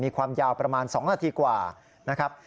ความยาวประมาณ๒นาทีกว่านะครับ